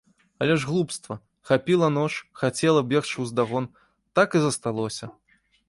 Але ж глупства, хапіла нож, хацела бегчы ўздагон, так і засталося.